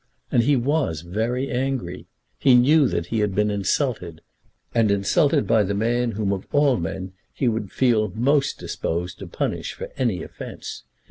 And he was very angry. He knew that he had been insulted, and insulted by the man whom of all men he would feel most disposed to punish for any offence.